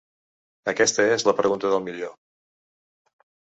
Aquesta és la pregunta del milió.